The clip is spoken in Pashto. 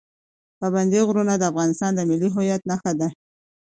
پابندی غرونه د افغانستان د ملي هویت نښه ده.